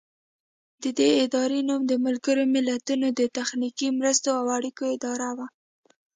د دې ادارې نوم د ملګرو ملتونو د تخنیکي مرستو او اړیکو اداره و.